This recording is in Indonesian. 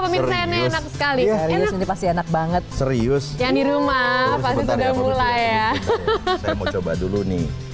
pemirsa ini enak sekali pasti enak banget serius yang di rumah pasti sudah mulai ya coba dulu nih